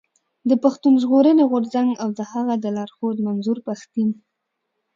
د پښتون ژغورني غورځنګ او د هغه د لارښود منظور پښتين.